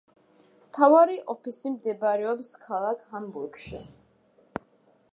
მთავარი ოფისი მდებარეობს ქალაქ ჰამბურგში.